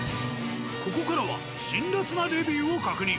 ここからは辛辣なレビューを確認。